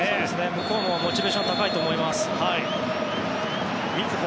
向こうもモチベーションが高いと思いますからね。